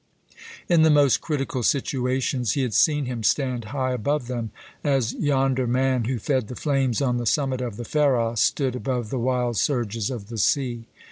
In the most critical situations he had seen him stand high above them, as yonder man who fed the flames on the summit of the Pharos stood above the wild surges of the sea.